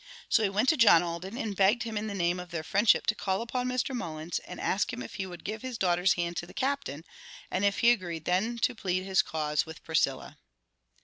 So he went to John Alden and begged him in the name of their friendship to call upon Mr. Mullins and ask him if he would give his daughter's hand to the Captain, and if he agreed then to plead his cause with Priscilla.